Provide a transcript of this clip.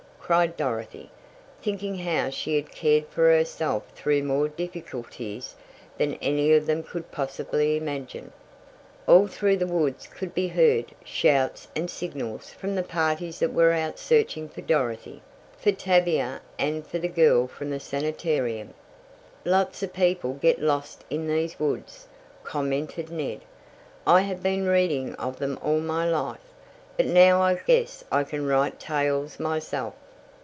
cried Dorothy, thinking how she had cared for herself through more difficulties than any of them could possibly imagine. All through the woods could be heard shouts and signals from the parties that were out searching for Dorothy, for Tavia and for the girl from the sanitarium. "Lots of people get lost in these woods," commented Ned. "I have been reading of them all my life, but now I guess I can write tales myself."